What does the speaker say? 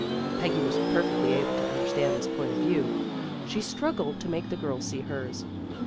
Peggy was perfectly able to understand this point of view. She struggled to make the girls see hers.